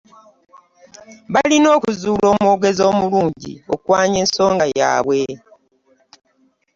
Balina okuzuula omwogezi omulungi okwanja ensonga yaabwe.